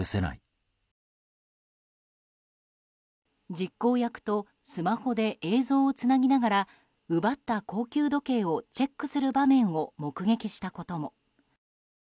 実行役とスマホで映像をつなぎながら奪った高級腕時計をチェックする場面を目撃したことも。